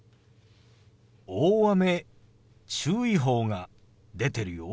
大雨注意報が出てるよ。